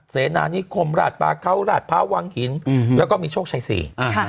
เสนานิคมราชปาเขาราชพร้าววังหินแล้วก็มีโชคชัยศรี